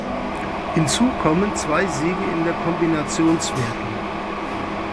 Hinzu kommen zwei Siege in der Kombinationswertung.